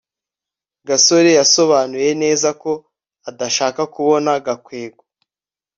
gasore yasobanuye neza ko adashaka kubona gakwego